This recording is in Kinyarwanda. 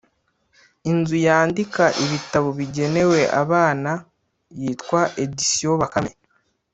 inzu yandika ibitabo bigenewe abana yitwa Editions Bakame